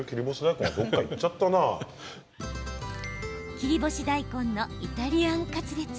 切り干し大根のイタリアンカツレツ